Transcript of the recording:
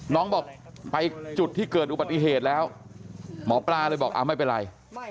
น้องบอกไปจุดที่เกิดอุบัติเหตุแล้วหมอปลาเลยบอกไม่เป็นไร